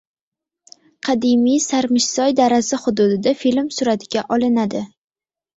Qadimiy Sarmishsoy darasi hududida film suratga olinadi